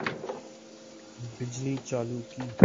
بجلی چالو کی